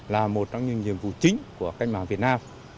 là một trong những nhiệm vụ chính của cách mạng việt nam